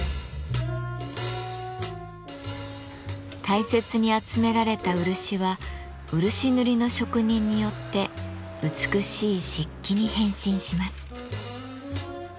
大切に集められた漆は漆塗りの職人によって美しい漆器に変身します。